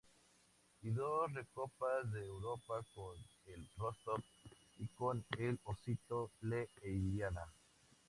Y dos Recopas de Europa con el Rostov y con El Osito L’Eliana.